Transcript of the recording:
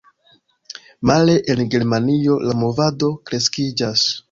Male, en Germanio, la movado kreskiĝas.